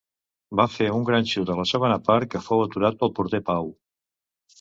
Va fer un gran xut a la segona part que fou aturat pel porter Pau.